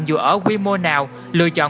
dù ở quy mô nào lựa chọn